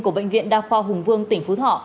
của bệnh viện đa khoa hùng vương tỉnh phú thọ